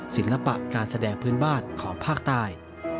ศิลปะการแสดงพื้นบ้านของภาคใต้